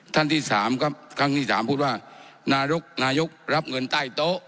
ท่านที่สามครับครั้งที่สามพูดว่านายกนายกรับเงินใต้โต๊ะ